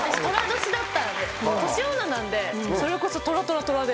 年女なんでそれこそ。